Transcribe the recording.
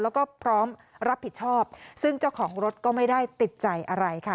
แล้วก็พร้อมรับผิดชอบซึ่งเจ้าของรถก็ไม่ได้ติดใจอะไรค่ะ